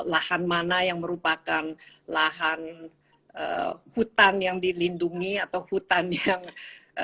lahan mana yang merupakan lahan hutan yang dilindungi atau hutan yang bisa digarap dan